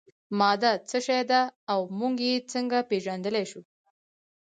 ماده څه شی ده او موږ یې څنګه پیژندلی شو